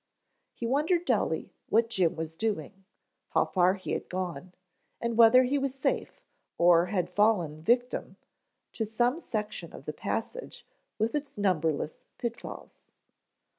He wondered dully what Jim was doing, how far he had gone, and whether he was safe or had fallen a victim to some section of the passage with its numberless pitfalls.